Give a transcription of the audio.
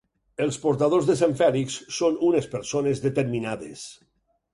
Els portadors de Sant Fèlix són unes persones determinades.